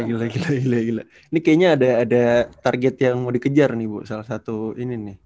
ini kayaknya ada target yang mau dikejar nih bu salah satu ini nih